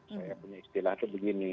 saya punya istilah itu begini